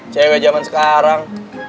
cewek jaman sekarang